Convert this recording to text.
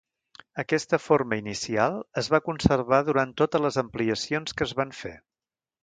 Aquesta forma inicial es va conservar durant totes les ampliacions que es van fer.